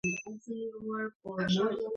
ستاسې نظر زموږ لپاره مهم دی.